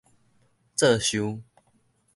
做岫